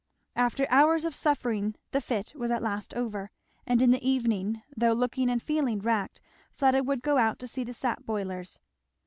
After hours of suffering the fit was at last over; and in the evening, though looking and feeling racked, Fleda would go out to see the sap boilers.